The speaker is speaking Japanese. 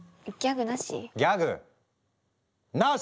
ギャグなし？